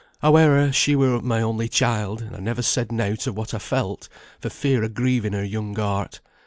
Howe'er, she were my only child, and I never said nought of what I felt, for fear o' grieving her young heart.